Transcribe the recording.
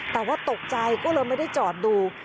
แต่ว่าตกใจก็เลยไม่ได้จอดดู